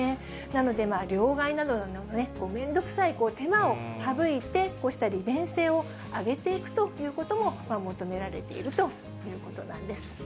なので、両替などのめんどくさい手間を省いて、こうした利便性を上げていくということも、求められているということなんです。